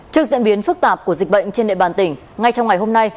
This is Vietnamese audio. trước diễn biến phức tạp của dịch bệnh trên địa bàn tỉnh ngay trong ngày hôm nay